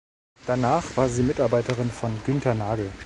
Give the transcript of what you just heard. Danach war sie Mitarbeiterin von Günter Nagel.